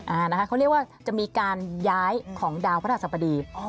อ่านะคะเขาเรียกว่าจะมีการย้ายของดาวพระราชสัปดี